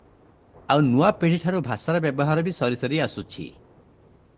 ଆଉ ନୂଆ ପିଢ଼ିଠାରୁ ଭାଷାର ବ୍ୟବହାର ବି ସରିସରି ଆସୁଛି ।